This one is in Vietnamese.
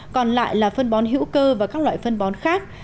còn lại là phân bón hữu cơ và các loại phân bón khác